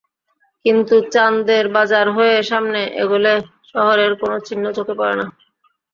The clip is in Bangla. কিন্তু চান্দেরবাজার হয়ে সামনে এগোলে শহরের কোনো চিহ্ন চোখে পড়ে না।